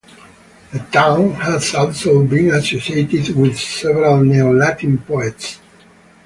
The town has also been associated with several Neo Latin poets.